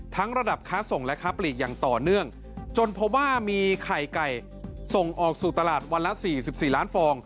ระดับค้าส่งและค้าปลีกอย่างต่อเนื่องจนพบว่ามีไข่ไก่ส่งออกสู่ตลาดวันละ๔๔ล้านฟอง